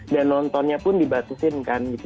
dan nontonnya pun dibatuhkan kan gitu